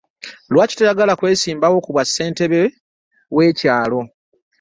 Lwaki toyagala kwesimba wo ku bwa ssente be w'ekyalo?